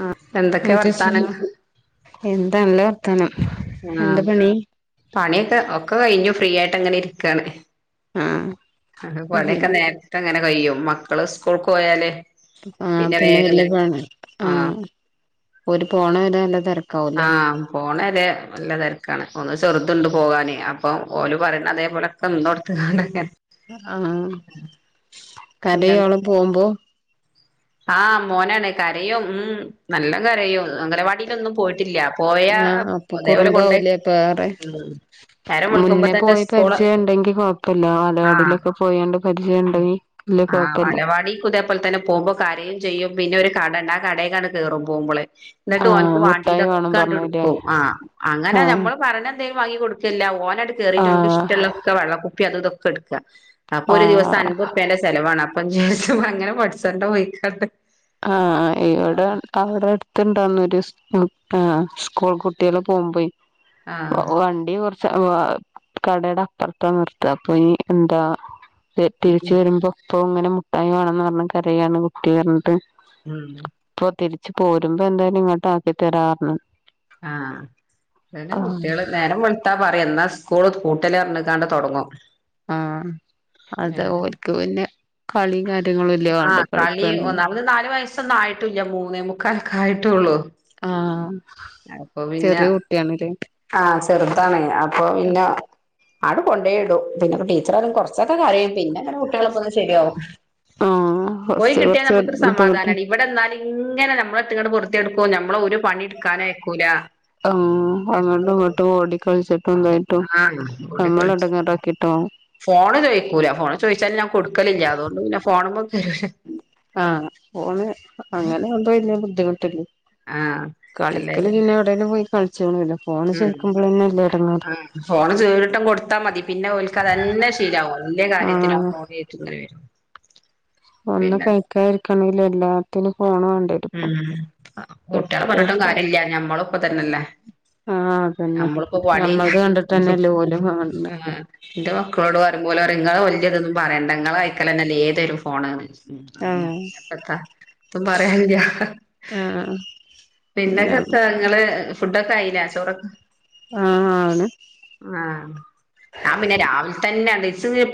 ആഹ് എന്തൊക്കെ അത് ശരി, വർത്താനങ്ങൾ എന്താല്ലോ? ആഹ പണിയൊക്കെ ഒക്കെ കഴിഞ്ഞു ഫ്രീ ആയിട്ട് അങ്ങനെ ഇരിക്കാണ് ആഹ് അ പണിഒക്കെ ശരി നേരത്തെ അങ്ങനെ കഴും, മക്കള് സ്കൂൾക്ക് പോയാലേ ആഹ പിന്നെ വലിയ പോണ് ആഹ ആഹ് ഒര് പോണ വരെ നല്ല തിരക്ക ആഹ പോണരെ നല്ല തിരക്കാണ്. ഒന്ന് ചെറുതുണ്ട് പോകാന് അപ്പം ഓല പറയണ അതേപോലെക്കെ നിന്നോടുത്ത് ഹ് കാണ്ട് ആഹ, കരയോൾ പോകുമ്പോ? ആഹ മോനാണ് കരയും ഉം നല്ലം കരയും അങ്കലവാടിയിലൊന്നും പോയിട്ടില്ല. പോയാ ആഹ അപ്പൊ അതേപോലെ കുറുമ്പ കൊണ്ടോയി ആവുലേപ്പം ഏറെ. ഉം നേരം വെളുക്കുമ്പോ മുന്നേ തന്നെ പോയി സ്കൂള് പരിചയം ഉണ്ടെങ്കി കുഴപ്പില്ല വാലവാടിയിലൊക്കെ ആഹ് പോയണ്ട് പരി ആഹ് വാലവാടിക്ക്തേപോലെ തന്നെ പോകുമ്പോ കാരയും ചെയ്യും പിന്നെ ഒരു കട ആ കടേക്കാണ് കേറും പോകുമ്പോളെ. എന്നിട്ട് ആഹ് ഓൻക്ക് മുട്ടായി വേണം വാണ്ടിയതൊക്കൊണ്ട് പറഞ്ഞില്ലേ എടുക്കും ആ അങ്ങനെ ആഹ് ഞമ്മള് പറിണ എ വാങ്ങി കൊടുക്കല്ല ഓനായിട്ട് കേയറിട്ട് ആഹ് ഇഷ്ടമൊള്ളക്കെ വെള്ളകുപ്പി അതും ഇതൊക്കെ എടുക്കുക അപ്പൊ ഒരു ദിവസ ആഹ് അൻപതുറുപ്പ്യൻ്റെ ചെലവാണ് അപ്പം ഞ്ഞ് അങ്ങനെ പഠിച്ചണ്ട പോയിക്കാട്ടണ്ട്. ആഹ ഇവിടെ അവിടെ അടുത്ത്.. സ്കൂൾ കുട്ടിക പോകുമ പോയി, ആഹ് വണ്ടി....... കടയുടെ അപ്പുറത്ത നിർത്തപ്പ, അപ്പ എന്താ...... തിരിച്ച് വരുമ്പോ അപ്പൊ ഇങ്ങനെ മുട്ടായി വേണംന്ന് പറഞ്ഞ് കരയാണ് കുട്ടി പറഞ്ഞിട്ട് ഉം ഇപ്പൊ തിരിച്ച് പോരുമ്പോ എന്തായാലും ഇങ്ങോട്ട് ആക്കി തരാറഞ്ഞു ആഹ് പിന്നെ ആഹ് കുട്ടികള് നേരം വിളുത്താ പറയു ന്നാ സ് സ്കൂള് പൂട്ടല് പറഞ്ഞ്ക്കാണ്ട് തുടങ്ങും ആഹ് അത് ഓൽക്ക് പിന്നെ കളി ആഹ് കളി ഒന്നാമത് നാല് വയസ്സൊന്നും ആയിട്ടൂില്ല മൂന്നേ മുക്കാലൊക്കെ ആയിട്ടുള്ളൂ. ആഹ് ചെറിയ കുട്ടിയാണല്ലെ ആഹ് ചെറുതാണ് അപ്പൊ പിന്നെ ആണ്ട് കൊണ്ടോയിടും പിന്നെക്കെ ടീച്ചർ ആട് കുറച്ചൊക്കെ കാര്യയും പിന്നെ അങ്ങനെ കുട്ടികളിപ്പോ ഒന്ന് ശരിയാവും ആഹ് പോയി ഫസ്റ്റ് കിട്ടിയാൽ കുറച്ച് നമുക്കൊരു ബുദ്ധിമുട്ട് സമാധാനമാണ് ഇവിടെ നിന്നാല് എങ്ങനെ നമ്മളെട്ടങ്ങട്ട് പൊറത്തിയ എടുക്കും നമ്മളെ ഒരു പണി എടുക്കാനോ ആയക്കൂല ആ അങ്ങോട്ട് ഇങ്ങോട്ട് ഓടി കളിച്ചിട്ടും എന്തായിട്ടും ആഹ് നമ്മളെ ഓടിക്കളിച്ചു ഇടങ്ങറാക്കിട്ടാവും ഫോണ് ചോദിക്കൂല ഫോണ് ചോദിച്ചാലും ഞാൻ കൊടുക്കലില്ല അതുകൊണ്ട് പിന്നെ ഫോണ് മ്മ ആഹ് ഫോണ് അങ്ങനെുമ്പോ വലിയ ബുദ്ധിമുട്ടില്ല ആഹ് അല്ലേ കളിക്കല് പിന്നെ എവിടെലും പോയി കൾ ഫോണ് ചോയിച്ചുക്കുമ്പോൾ തന്നല്ലേ ആ ഫോണ് ചൂ ഒരിട്ടം കൊടുത്താ മതി പിന്നെ ഒൽക്ക് അതന്നെ ശീലമാവും വല്ല കാര്യത്തിന ആ ആഹ് ഫോണ് തരി [unintelligible] ഒന്ന് കഴിക്കാ ഇരിക്കണില്ല എല്ലാത്തിനും ഫോണ് വേണ്ടിവരും ഇപ്പൊ ഉം കട്ടികള് എത്ര പറഞ്ഞിട്ടും എത്ര കാര്യം ഇല്ല ഞമ്മളുപ്പതന്നല്ലേ ആഹ് അതന്നെ നമ്മളിപ്പോ പടി ഞമ്മൾത് കണ്ടിട്ടന്നെല്ലേ ഓലും കാണ്‌ണെ എന്റെ മക്കളോട് പറ ഓലോ റിയും ങ്ങള് വലിയതൊന്നും പറയണ്ട ങ്ങളെ കഴിക്കലന്നെല്ലേ ഏതൊരും ഫോണാണ് ആഹ് പ്പത്താപ്പ പറയാ പിന്നെ പിന്നക്കെത്താ നിങ്ങള് ഫുഡൊക്കെ ആയില്ലേ ചോറൊ ആഹ് ആണ് ആന് ഞാൻ പിന്നെ രാവിലെ തന്നെ ആണ്ട്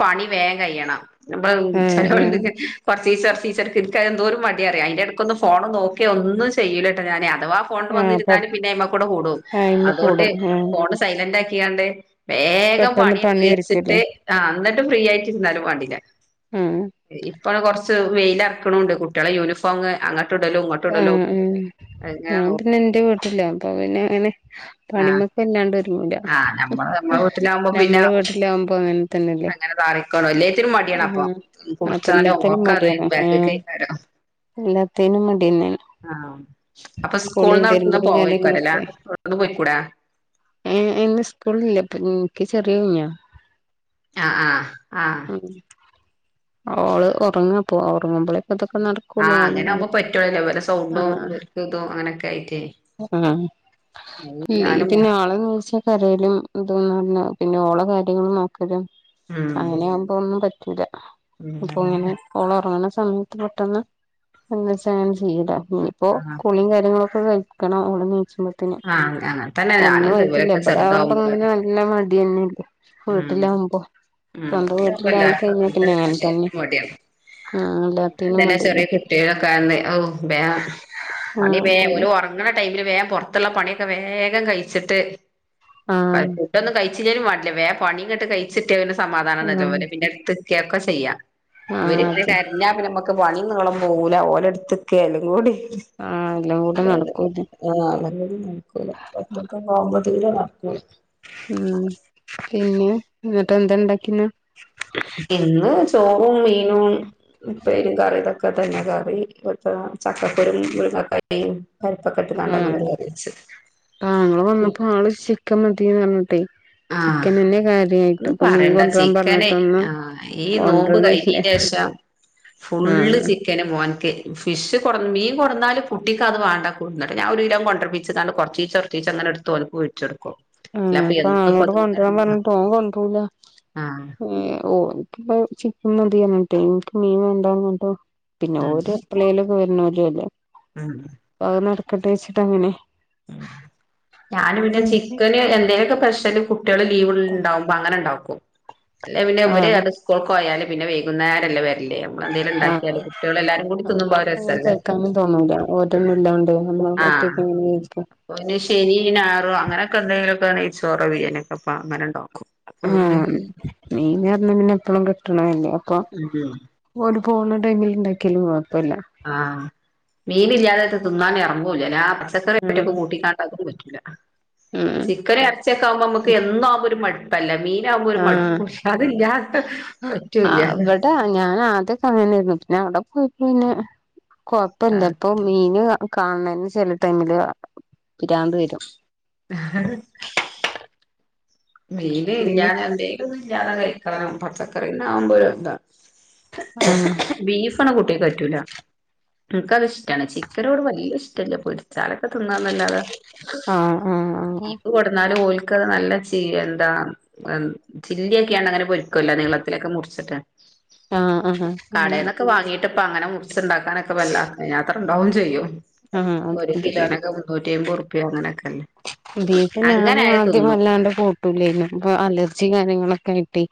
പണി വേഗം കയ്യണം ന്നപ്പം ഏഹ് ചെലോല്ണ്ട് ഏഹ് കൊർച്ചിച്ചെ കൊർച്ചിച്ചെ ഇട്ക്ക എന്തോരു മടിയറിയാ അൻന്റെടക്കൊന്ന് ഫോണ് നോക്കെ ഒന്നും ചെയ്യൂലട്ടോ ഞാന് അ അഥവാ ഫോണ്ട് ആഹ് വന്നിരുന്നാലും പിന്നെ അയ്മ കൂടെ കൂടും ടൈമ് അതുകൊണ്ട് കൂടും ഏഹ് ഫോണ് സൈലന്റ് ആക്കിയാണ്ട് വേഗം പെട്ടെന്ന് പണിയന്ന് പണി ഒരുക്കൂല്ലേ കഴിച്ചിട്ട് ആ എന്നിട്ടും ഫ്രീ ആയിട്ടിരുന്നാലും വേണ്ടില്ല ആഹ് ഇപ്പൊ കൊറച്ച് വെയില ഇറക്കണണ്ട് കുട്ടികളെ യൂണിഫോം അങ്ങ ആഹ് എഹ് ഞാൻ പിന്നെ നോക്കി എന്റെ വീട്ടില അപ്പൊ പിന്നെ ആ പണിമൊക്ക എല്ലാണ്ട് ഒരു ല ആ നമ്മള് നമ്മളെ വീട്ടിലാവുമ്പോ ഞമ്മളെ പിന്നെ വീട്ടിലാകുമ്പോ അങ്ങനെ തന്നെല്ലേ അങ്ങനെ താറിക്കോളും എല്ലാത്തിനും മടിയാണ് അപ്പൊ ആ അപ്പ കുളിച്ചാനോ എല്ലാത്തേനും ഒക്കെ അത് മടിയാണ് ബാക്ക്ക്കേക്കാരം എല്ലാത്തേനും മടിന്നെ ആഹ് അപ്പൊ സ്കൂളന്ന് അവിടന്ന് തിരുമ്പലും പോയിക്കരല്ല അവിടെന്ന് പോയിക്കൂടേ ഏ ഇന്ന് സ്കൂളില്ലേപ്പ എനിക്ക് ചെറിയ കുഞ്ഞാ ആഹ് ആഹ് ആഹ് ഓൾ ഉറങ്ങാപ്പോ ഉറങ്ങുമ്പോളേ പ്പെതൊക്കെ നടക്കുള്ളു കാര വല സൗണ്ടോക്ക് ഇതോ അങ്ങനെയൊക്കെ ആയിട്ടേ ഇല്ല ഞാനും ഉം പിന്നെ ആളെ നോ കരയിലും ഇതും പറഞ്ഞു പിന്നെ ഓള കാര്യങ്ങൾ നോക്കലും അങ്ങനെയാകുമ്പോ ഒന്നും പറ്റൂല ഉം ഇപ്പൊ ഇങ്ങനെ അങ്ങനെ ഓളൊറങ്ങണ സമയത്ത് പെട്ടെന്ന് എച്ചും ചെയ്ല്ല ഇനിയിപ്പോ ആഹ് കുളിയും കാര്യങ്ങളും കഴിക്കണം [unintelligible] സ്മിതിൻ ആഹ് അങ്ങനെ തന്നെ ഒന്നും ഞാനും ആയിട്ടില്ല ഇവരൊക്കെ എവിടെ ആകുമ്പ അങ്ങനെ നല്ല മടി തന്നെ ഉ ഉ സ്വന്തം വീട്ടിലായി കഴിഞ്ഞാ പിന്നെ അങ്ങനെ തന്നെ [unintelligible] ആഹ് എല്ലാത്തിനും അതെല്ലാ ചെറിയ മടിയന്നെ കൂട്ട്യാള് ഓ വേ പണി ആഹ് വേ പിന്നെ ഓല് ഒറങ്ങണ ടൈമില് വേഗം പുറത്തുള്ള പണിയൊക്കെ വേഗം കഴിച്ചിട്ട് പ ആഹ് ഫുഡൊന്നും കഴിചില്ലേലും വാണ്ടില്ല വേഗം പണി ഇോട്ട് കഴിച്ചിട്ട്ന് സമാധാനം നല്ല ആഹ് പോലെ പിന്നെ തക്കൊക്കെ ചെയ്യാം ആഹ് അവര്ങ്ങനെ അതെ കരഞ്ഞ നമ്മുക്ക് പണി നിളമ്പ പോല ഓല എടുത്തക്കാലും കൂടി ആഹ് എല്ലാം [inaudible] കൂടെ നടക്കൂല ദൂരെ വക്ക [inaudible] ഉ പിന്നെ എന്നങ്ങിട്ട് എന്താ ഉണ്ടാക്കിന്ന ഇന്ന് ചോറും മീനും ഉപരി കറി ഇതൊക്കെ തന്നെ കറി ഇ ചക്ക കറിയും മുറിങ്യ കറി ആഹ വെച്ച് താങ്കൾ വന്നപ്പോ ആള് ചിക്കൻ മതിന്ന് പറഞ്ഞിട്ടെ ചിക്കൻെ കാര് ഒന്ന് പറയണ്ട ചിക്കന ആ ഈ നോമ്പ് കൊണ്ടരണില്ല കഴഞ്ഞീന് ശേഷം ഫുള്ള് ആഹ് ചിക്കന് മോ ൻക്ക് ഫിഷ് കൊടീം കൊടന്നാലും കുട്ടിക്കക്ക് അത് വേണ്ട കൂടുന്നുണ്ട് ഞൻ ഒരു കിലം കൊണ്ടപിിച്ചച്ച് ന കുറച്ചീച്ച ഉറച്ചീച്ച അങ്ങനെടു ഒലപ്പ വെച്ച് കൊടുക്കോ ആ അപ്പൊ ആളോട് കൊണ്ടരാൻ പറഞ്ഞ തോ ആഹ് [unintelligible] ഇപ്പു മതിയ കേട്ടെ എനിക്ക് മീൻ വേണ്ടന്ന് ന്നേട് പിന്നെ ഓ ഉം എപ്പളേയിലൊക്കെ വരണല്ലോ അല്ലേ ഉം കെട്ട വച്ചിട്ട് അങ്ങനെ ഉ ഞാന് പിന്നെ ആഹ് ചിക്കന് എന്താലുമൊക്കെ സ്പെഷ്യൽ കു - കുട്ടികള് ലീവ ഉണ്ടാവുമ്പോ അങ്ങന ഉണ്ടാവുമും. അല്ല പിന്നെ ഇര് അ സ്കൂൾ പോയാലും പിന്നെ വൈകുന്നേരംല്ലേ വര ആ കൂടി തിന്നുമ്പോ അത് നമ്മങ്ങന രസല്ലേ വക്കാാനെന്ന് തോന്നൂില്ല ഓരോന്നും ഇല്ലണ്ട് നമ്മൾ ഒറ്റക്ക ഓൺ പിന്നെ ശനി ഞായർ അങ്ങനെയൊക്കെ എന്തെങ്കിലുംക്കെ നൈ ച്ചോറോ ബിരിയാണി യോ ക്കെ അങ്ങനെണ്ടോക്കോ ആഹ മീ ൻ ന്ന് പറഞ്ഞ പിന്നെ എപ്പഴും കിട്ടണല്ലോ അപ്പ ഉം ഒരു പോണ ടൈമിൽ ഉണ്ടാക്കിയാലും മതി ആഹ മീനല്ലാതെ തിുന്നാാനേ ഇറങ്ങൂല്ല പച്ചക്കറ ആഹ് ആട്ടൊക്കെ കൂട്ടിക്കാണ്ടാക്കൻ പറ്റില്ല ആഹ് ചിക്കൻ ഇറച്ചിയൊക്കെ ആകുമ്പോ നമ്മുക്ക് എന്നാാവുമ്പോ ഒരു മടുപ്പല്ല മീൻ ആഹ ആ പറ്റൂല ഇവിടെ ഞാൻ ആദ്യ കങ്ങന്നായിരുന്നു പിന്നെ അവിടെ പോയപ്പോന്നെ കൊഴപ്പില്ല ആഹ് ഇപ്പൊ മീന്. കാണണന് ചെില ടൈമില് പിരാന്ത് വരും ആഹ മീൻ പിന്നെ ഇല്ലാതെ എന്തെങ്കിലും ഇല്ലാതെ കഴിക്കണം പച്ചക്കറിന്ടാകുമ്പോ എന്ത. ഹോ ഹേ ആഹ് ഹേ ബീഫണ് കുട്ടി പറ്റൂല നിനക്ക്ത് ഇഷ്ടമാണ് ചിക്കനോട് വലിയ ഇഷ്ടമല്ല പൊരിച്ചാലൊക്കെ തിന്നന്നല്ലാതെ ആഹ് ആഹ് ദീപ്പ് കൊടന്നാാലും ഓൽ നല്ല ച എന്താ ചില്ലിയൊക്കെയാണ് അങ്ങനെ പൊരിക്കുവല്ല നീളത്തിലൊക്കെ മുറിച്ചിട്ട് ആഹ് ആഹ് അങ്ങനെ കടയിൽന്നൊക്കെ വാങ്ങിട്ട ഇപ്പ അങ്ങനെ മുറി ഉണ്ടാക്കാനൊക്കെ വല്ല അത്ര ഉണ്ടാവും ചെയ്യും ആഹ് ഒരു ബീഫ് കിലോനൊക്കെ മുന്നൂറ്റായി മ്പത് അപ്പ അങ്ങനൊക്കെല്ലേ ബീഫ് ഞാനും ആദ്യം അല്ലാണ്ട് കൂട്ടൂലായിരുന്നു ഇപ്പൊ അലർജി കാര്യങ്ങളൊക്കെ ആയി്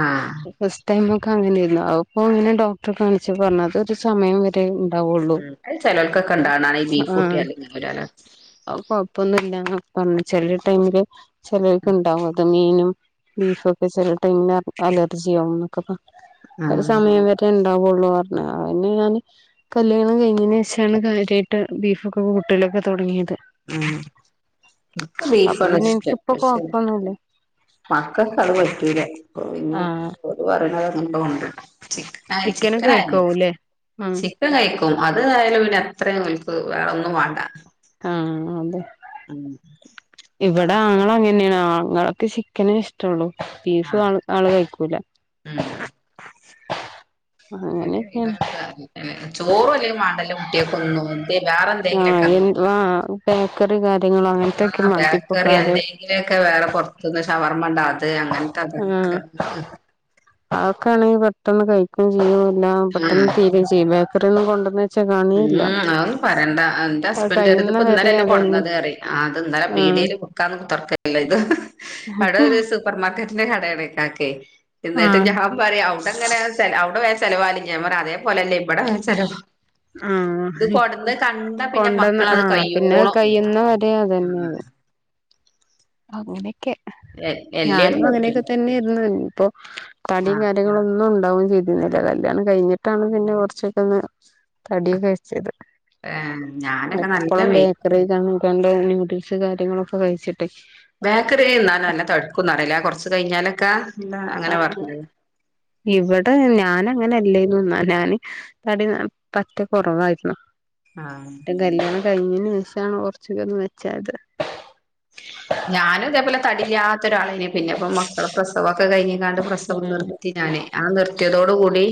ആഹ് ഫ മ അങ്ങനൊയിരുന്നു അ അപ്പൊ അങ്ങനെ ഡോക്ടർ കാണിച്ച് പറഞ്ഞ അത് ഒരു സമയം വരെ ഉണ്ടാവുള്ളൂ ഉ അത് ചിലവൾക്കൊക്കെ ഉണ്ടാവ ഈ ബീഫ് കുട്ടിയല്ലങ്ങനെല്ലോ. അഴ്കൊഴപ്പൊന്നുല്ലന്ന്പറഞ്ഞ് ചെല ടൈമില് ചെലർക്ക്ണ്ടാവുത്, മീനും ബീഫ് ഒക്കെ ചെല ടൈമില് അ അലർജി ആവു ന്ന്ക്കെ പറ, [inaudible] ഒരു ആഹ് സമയം വരെ [unintelligible] ഉള്ളൂ പറഞ്ഞ് അതിന്‌ ഞാന് കല്യാണം കഴിഞ്ഞേന് ശേഷാണ് കാര്യാട്ട് ബീഫൊക്കെ കൂട്ടല് ക്കെ തുടങ്ങിയത്. ഉം ബീഫ് അപ്പൊ ആണ്‌ പിന്നെ ഇഷ്ടം എനിക്കിപ്പൊ പക്ഷേ കൊഴപ്പൊന്നുല്ല മക്കക്ക് അത് പറ്റൂല ഓ പിന്നെ, ആഹ് ഓര് പറേണെ [unintelligible] ചിക്ക്നാ ചിക്കനൊക്കെ ചിക്കനായാ [unintelligible] കഴിക്കാവൂല്ലേ ഉം ചിക്കൻ കയ്ക്കും അത് ആയാലും പിന്ന അത്രയും വെലക്ക് വേറെ ഒന്നും വാണ്ട ആ, അതെ [unintelligible] ഇവിടെ മക്കള ആങ്ങള അങ്ങനെയാ, ആങ്ങളക്ക് ചിക്കനേ ഇഷ്ടള്ളൂ. ആ ബീഫ് ആള്, ആള് കഴിക്കൂല. വ്ടെ അങ്ങനെയൊക്കെയാണ് ഇതൊക്ക ഏ ചോറു വലിയ [unintelligible] [unintelligible] എന്തേ വേറെന്തേങ്കിലൊക്കെ അങ്ങ് [unintelligible] ഇത് റേം കാല ആഹ് ബേക്കറി എന്തേങ്കിലൊക്കെ വേറെ പൊറ്ത്ത്ന്ന് ശവർമണ്ടാ അത് അങ്ങൻത്തെ അതൊക്കെ ഉം ക്കാണെങ്കിൽ പെട്ടെന്ന് കഴിക്കും ചെയ്യും എല്ലാം ഉം പെട്ടന്ന് തീരൂം ചെയ്യും ബേക്കറി ഒന്നും കൊണ്ടുവന്നവ ഉം അതൊന്നും പറയണ്ട, ന്റെ അത് ഹസ്ബൻഡ് ഇത് കഴിയുന്ന ത്പ്പ വരെ ഇന്നലെല്ലെ അതന്നെ കൊട്ന്നത് റിയും ആ അത് ഇന്നലെ ആഹ് പീട്യെ [unintelligible] തുറക്കല്ല ഇത്, ഹ് ഹ് അവിടെ ഒരു സൂപ്പർ മാർക്കറ്റിന്റെ കടയാണ് ഇക്കാക്കെ എന്നിട്ട് ആഹ് ഞാൻ പറയും അവിടെങ്ങനേ ചെ അവിടെ വേം ചെലവാഉലേ ഞാ പറയും അതേ പോലെല്ലേ ബ്ടേ ചിലവൊ ആഹ്, പിന്നെ കൊണ്ടന്ന് ആ മക്കളത് പിന്നെ കയ്യോളം കയ്യ്ന്ന വരെ ആ അതന്നെയും അങ്ങനെക്കെ, എല്ലേതും ഞാനും പറ്റും അങ്ങനെയൊക്കെ തന്നെയേയ്ര്ന്നു തടിയും ആ കാര്യങ്ങളൊന്നും [unintelligible] ചെയ്തുന്നില്ല, കല്യാണം കഴിഞ്ഞിട്ടാണ് പിന്നെ കുറച്ചൊക്കെ ഒന്ന് തടി ഒക്കെ വെച്ചത്. ഏ ഞാനൊക്കെ നല്ല എപ്പഴും വെയ് ബേക്കറി ഒക്കെ ആണ് കണ്ട ന്യൂഡിൽസ് കാര്യങ്ങളൊക്കെ കഴിച്ചിട്ടെ ബേക്കറി തിന്നാല് നല്ല തട്ക്കും എന്നറീല്ലേ കൊറച്ച് കഴിഞ്ഞാലൊക്കെ ഇല്ല, ആ, അങ്ങനെ പറഞ്ഞത് ഇവിടെ ഞാന അങ്ങനെല്ലേന്നൂ ന്നാ ഞാന്, തടി പറ്റേ കൊറവായിരുന്നു. ആഹ് കഴിഞ്ഞേന് ഏഷാണ് കൊറച്ച്ക്കെ ഒന്ന് മെച്ചായത് ഞാനും ഇതേപോലെ തടില്ലാത്ത ഒരാളേനി പിന്നെ ഇപ്പ മക്കളെ പ്രസവൊക്കെ [unintelligible] പ്രസവം നിർത്തി ഞാന്, ആ നിർത്തിയതോട് കൂടി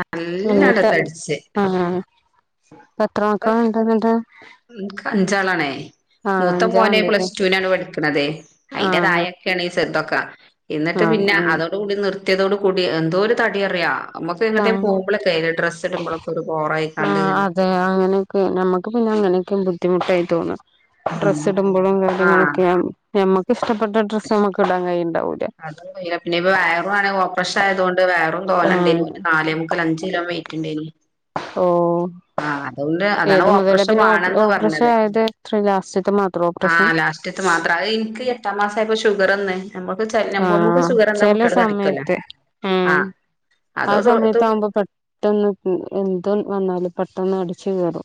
നല്ലാണ്ട് എങ്ങത്തെ തടിച്ച് ആഹ്, പ്പൊ എത്ര ഇപ്പ മക്കള് ണ്ട് ന്നിട്ട് ഇൻക്ക് അഞ്ചാളാണേയ് ആഹ് മൂത്ത മോനെ അഞ്ചാളുണ്ടല്ലേ പ്ലസ് ടു നാണ് പഠിക്ക്ണത്, അയ്ന്റെറ ആഹ് തായേക്കിണ്യാണ് ഈ ചെറതൊക്ക. എന്നിട്ട് ആഹ് പിന്നെ ആഹ് അതോടുകൂടി നിർത്തിയതോട് കൂടി എന്തോ ഒരു തടിയാ അറിയാ നമുക്ക് എങ്ങോട്ടെ പോമ്പൊളൊക്കെ ഡ്രസ് ഇടുമ്പൊള ആ അതെ, അങ്ങനെയൊക്കെ നമ്മുക്ക് പിന്നെ അങ്ങനെക്കെ ബുദ്ധിമുട്ടായി തോന്നും ഡ്രസ്സ് ഉം ഇടുമ്പോ ആഹ് കാര്യങ്ങളൊക്കെയാണ് ഞമ്മക്ക് ഇഷ്ടപ്പെട്ട ഡ്രസ്സ് നമ്മുക്ക് ഇടാൻ കഴുണ്ടാവൂല [unintelligible] പിന്നെ ഇപ്പ വയറുആണ് ഓപ്രഷ ആയതുകൊണ്ട് വെയറും ആഹ് തോനെണ്ടേനെ, നാലേ മുക്കാൽ അഞ്ച് കിലോ വെയിറ്റുണ്ടേന്. ഓ അതാണ് ഏത് മുതല ഓപ്പറേഷൻ പിന്നെ ഓ വേണംന്ന് ഓപ്പറേഷൻ പറഞ്ഞത് ആയത്? എത്ര ലാസ്റ്റത്ത മാത്രം ഓപ്പറേഷൻ? [unintelligible] മാത്റ ഇൻക്ക് എട്ടാം മാസആയപ്പോ ഷുഗറന്ന് ആഹ് ചെല സമയത്ത്, ഉം ആഹ് ആ അതോട് അതോ സമയത്താവ്മ്പോ പെട്ടന്ന് എന്തോ വന്നാലും പെട്ടന്ന് അടി ഷുഗർ,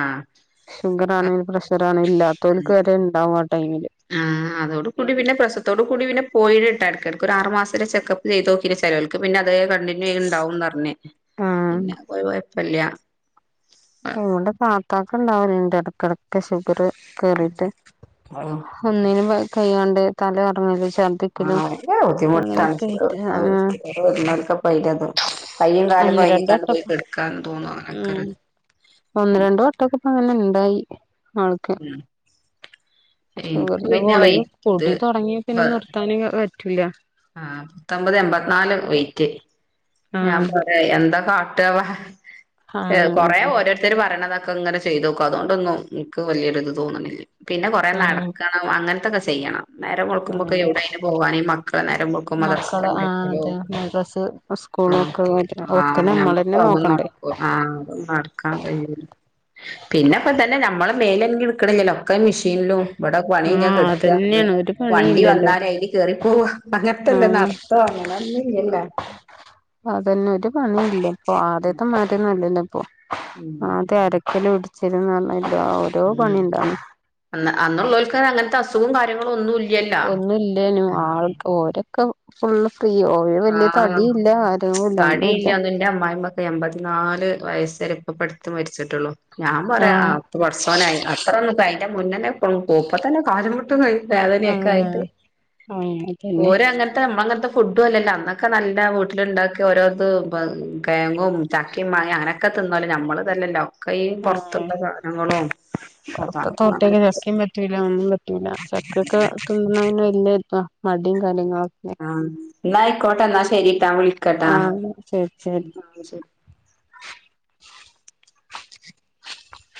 ആഹ് ഷുഗര്‍ ആണേലും പ്രഷര്‍ ആണേലും ഇല്ലാത്തോല്ക്ക് വരെ ഉണ്ടാവാ ആ അതോട കൂടി പിന്നെ പ്രസവത്തോട് കൂടി പിന്നെ പോയി ഒരു ആറ് മാസത്തെ ചെക്കപ്പ് ചെയ്ത് നോക്കിന് ചിലവൾക്ക് പിന്നെ അത കണ്ടിന്യൂ ഇണ്ടാവുംന്ന് പറഞ്ഞ് ആഹ് പിന്നെ കുഴപ്പല്ല വ്ടെ പാത്താക്ക് ഉണ്ടാവലണ്ട് എടക്കെട്ക്ക് ഷുഗർ കേറിട്ട് ആഹ് ഒന്നിനും കൈയ്യാണ്ടെ തല കറങ്ങക്കെ ചെ [inaudible] ആയിട്ട് ആഹ് വൈത് കയ്യും കാലും ഒന്ന് രണ്ട് കഴഞ്ഞിക്കാണ്ട് വട്ടം പോയി പെടുക്കാന്ന് തോന്നും ഉം അനൊക്കരു ഒന്ന് രണ്ട വട്ടൊക്കെ ഇപ്പ അങ്ങനെ ഉണ്ടായി ആൾക്ക് ഉം എനിക്ക് ഷുഗറിന്റെ പിന്നെ ഗൊളിക വെയിറ്റ് ഇത് പൊടി തുടങ്ങി പ പിന്നെ നിർത്താന പ ആ പത്തൊമ്പത് എമ്പത്തിനാല് വെറ്റ് ഞാൻ ആഹ് പറയാ എന്തൊ കാ മറ്റ ഹ ആഹ് കൊറേ അതെ ഓരോരുത്തർ പറയണത ഇങ്ങനെ ചെയ്ത് നോക്കും അതുകൊണ്ടൊന്നും എനിക്ക് വലിയൊരിത് തോന്നണില്ല പിന്നെ കൊറ ആഹ് നടക്കണം അങ്ങനത്തെ കസ് ചെയ്യണം നേരെ മുളക്കുമ്പൊക്ക ആഹ് എടെ അന് പോകാനും മക്കള നേരം കൊക്കും മക്കള് ആഹ് മദർസക്കലോ അതെ മദ്രസ് സ്കൂളും ഒക്കെ ആ ഒക്കെ നമ്മളന്നെ ആമ്മക്ക നോക്കണ്ടേ നടക്കുവോ ആ നടക്കാൻ കഴിയില്ല പിന്നെ ഇപ്പൊ തന്നെ നമ്മള് മേലനങ്ങി എടുക്കണില്ലല്ലോ ക്ക മെഷീനിലും ഇവിടെ പണിയ ഞാൻ ആഹ് കെടുക്കുകത് അതന്നെയാണ് ഒരു വണ്ടി പണിയില്ലല്ലോ വന്നാല അതിൽ കറിപ്പോവ അങ്ങനത്തെല്ലേ ആഹ് നടർത്തം അങ്ങനെ ഒന്നില്ലല്ലോ പണില്ല ഇപ്പൊ ആദ്യത്തെ മാറ്റന്നല്ലല്ലോ ഇപ്പൊ ഉം ആദ്യം അരക്കല് ഇടിച്ചിന്ന് പറഞ്ഞ ഓരോ പണി ഉണ്ടന്ന് അന്നുള്ളവക്ക് അങ്ങനത്തെ അസൂഗോം കാര്യങ്ങള ഒന്നും ഇല്ല ഒന്നില്ലനും ആൾക്ക് ഓരൊക്കെ ഫുള് ആ ഒന്നുല്ല തടിയില്ലന്ന് എന്റെ അമ്മായിമ്മക്കെ എൺമ്പത്തിനാല് വയസ് ചെറപ്പപ്പെടുത്ത മരിച്ചിട്ടുള്ളൂ ഞാൻ പറയാ ആഹ് അത്ത പുറസവനായി അത്ര ഒന്ന ക ന്റെ മുന്നന്നെ കൊപ്പ തന്നെ കാട്ട വേദനയൊക്കെ ആയിട്ട് ആഹ് അങ്ങനെ തന്നെ ഓര അങ്ങനത്തെ നമ്മങ്ങനത്തെ ട്ടല്ലല്ല അന്നൊക്കെ നല്ല വീട്ടിലുണ്ടാക്കി ഓരോരുത് തേങ്ങും ചാക്കിയും മാങ്ങ അങ്ങനൊക്കെ തിന്ന ല നമ്മള് തന്നല്ല ഒക്ക പുറത്തുള്ള സാധനങ്ങളും ഇപ്പൊ അതാണ് നല്ല തോട്ടൊക്കെ പ്രശ്നം ചക്കയും പറ്റൂല ഒന്നും പറ്റൂല ചക്കൊക്കെ തിന്നതിന് വല്യ ഇതാ മടിയും കാര്യങ്ങള ആ എന്നായിക്കോട്ടെ എന്നാ ശരി ട്ട വിളിക്കട്ടാ ആഹ് ശരി ശരി ശ [unintelligible]